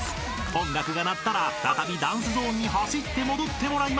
［音楽が鳴ったら再びダンスゾーンに走って戻ってもらいます］